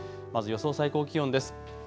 まず予想最高気温です。